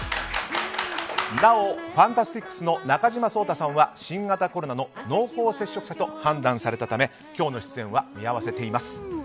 なお、ＦＡＮＴＡＳＴＩＣＳの中島颯太さんは新型コロナの濃厚接触者と判断されたため今日の出演は見合わせています。